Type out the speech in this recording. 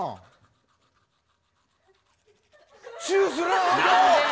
チューするん？